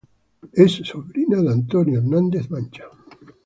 Es sobrina de Antonio Hernández Mancha.